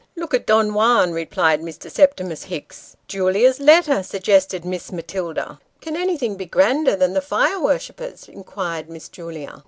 " Look at Don Juan," replied Mr. Septimus Hicks. " Julia's letter," suggested Miss Matilda. " Can anything be grander than the Fire Worshippers ?" inquired Miss Julia.